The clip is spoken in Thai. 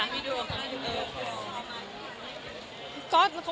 เอาละนะคุณที่ดู